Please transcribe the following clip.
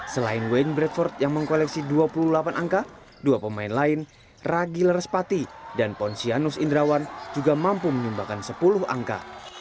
selain wayne bradford yang mengkoleksi dua puluh delapan angka dua pemain lain ragi lerespati dan ponsianus indrawan juga mampu menyumbangkan sepuluh angka